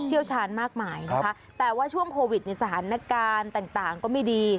เชี่ยวชาญมากมายนะคะแต่ว่าช่วงโควิดในสถานการณ์ต่างก็ไม่ดี